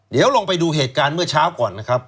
เดี๋ยวลองไปดูเหตุการณ์เมื่อเช้าก่อนนะครับ